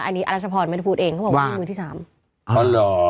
อันนี้อรัชพรไม่ได้พูดเองเขาบอกว่ามีมือที่สามอ๋อเหรอ